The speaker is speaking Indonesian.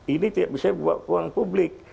ini tidak bisa dibuat ke ruang publik